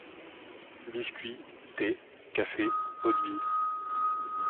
Biscuits, thé, Café, eau-de-vie,...